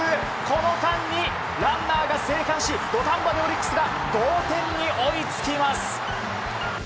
この間にランナーが生還し土壇場でオリックスが同点に追いつきます。